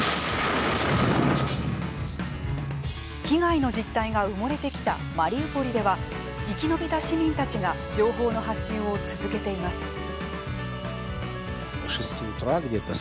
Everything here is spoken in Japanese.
被害の実態が埋もれてきたマリウポリでは生き延びた市民たちが情報の発信を続けています。